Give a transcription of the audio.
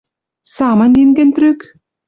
Самынь лин гӹнь трӱк?..